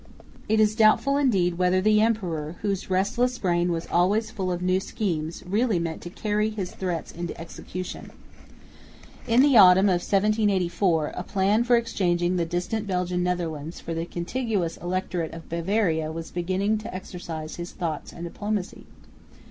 It is doubtful indeed whether the emperor, whose restless brain was always full of new schemes, really meant to carry his threats into execution. In the autumn of 1784 a plan for exchanging the distant Belgian Netherlands for the contiguous Electorate of Bavaria was beginning to exercise his thoughts and diplomacy.